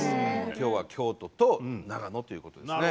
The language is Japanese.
今日は京都と長野ということですね。